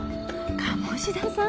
鴨志田さん！